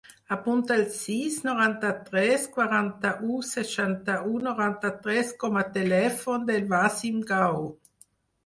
Apunta el sis, noranta-tres, quaranta-u, seixanta-u, noranta-tres com a telèfon del Wasim Gao.